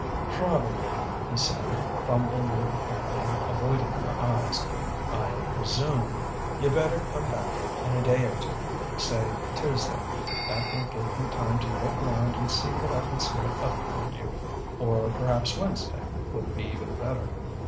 "Probably," he said, fumbling with a pen and avoiding her eyes "I presume you'd better come back in a day or two say Tuesday. That will give me time to look round and see what I can scare up for you. Or perhaps Wednesday would be even better...."